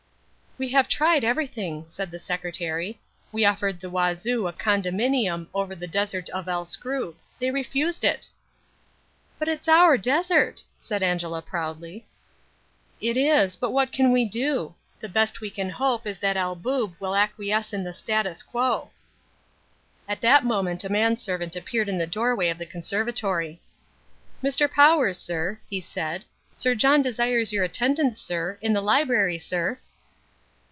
"We have tried everything," said the secretary. "We offered the Wazoo a condominium over the desert of El Skrub. They refused it." "But it's our desert," said Angela proudly. "It is. But what can we do? The best we can hope is that El Boob will acquiesce in the status quo." At that moment a manservant appeared in the doorway of the conservatory. "Mr. Powers, sir," he said, "Sir John desires your attendance, sir, in the library, sir."